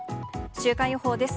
週間予報です。